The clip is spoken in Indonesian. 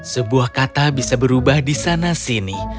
sebuah kata bisa berubah di sana sini